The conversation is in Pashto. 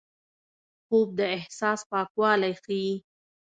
خوب د احساس پاکوالی ښيي